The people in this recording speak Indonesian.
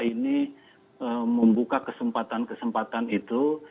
ini membuka kesempatan kesempatan itu